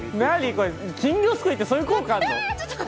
これ金魚すくいってそういう効果あんの？